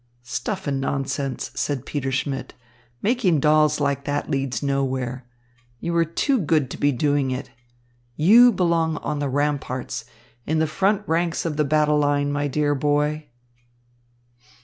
"Stuff and nonsense!" said Peter Schmidt. "Making dolls like that leads nowhere. You are too good to be doing it. You belong on the ramparts, in the front ranks of the battle line, my dear boy."